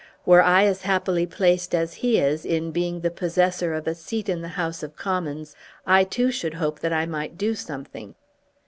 Were I as happily placed as he is in being the possessor of a seat in the House of Commons, I too should hope that I might do something."